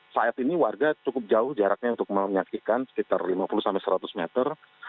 saat ini warga cukup jauh jaraknya untuk menyaksikan sekitar lima puluh sampai seratus meter